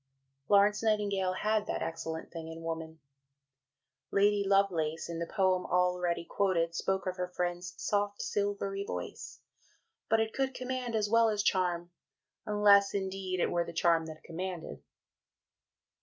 '" Florence Nightingale had that "excellent thing in woman": Lady Lovelace, in the poem already quoted, spoke of her friend's "soft, silvery voice"; but it could command, as well as charm, unless indeed it were the charm that commanded.